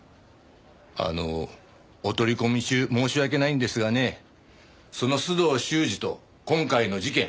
あのお取り込み中申し訳ないんですがねその須藤修史と今回の事件